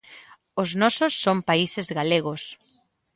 Os nosos son países galegos.